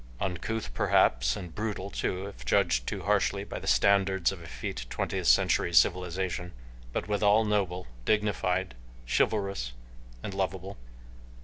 Uncouth, perhaps, and brutal, too, if judged too harshly by the standards of effete twentieth century civilization, but withal noble, dignified, chivalrous, and loveable.